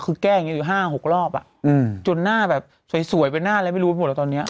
คือแก้อย่างนี้อยู่๕๖รอบจนหน้าแบบสวยเป็นหน้าอะไรไม่รู้ไปหมดแล้วตอนนี้